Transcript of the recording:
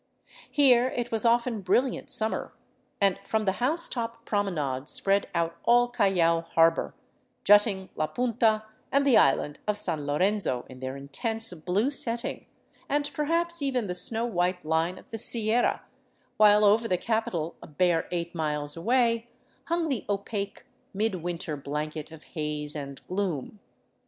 Here it was often brilliant summer, and from the housetop promenade spread out all Callao harbor, jutting La Punta, and the island of San Lorenzo in their intense blue setting, and perhaps even the snow white line of the Sierra, while over the capital, a bare eight miles away, hung the opaque, mid winter blanket of haze and gloom.